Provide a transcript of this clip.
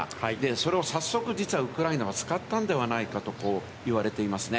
それを早速、実はウクライナは使ったんではないかと言われていますね。